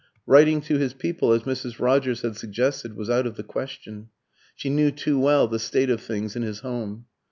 Writing to his people, as Mrs. Rogers had suggested, was out of the question. She knew too well the state of things in his home.